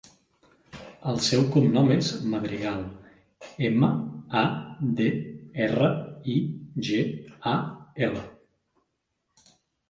El seu cognom és Madrigal: ema, a, de, erra, i, ge, a, ela.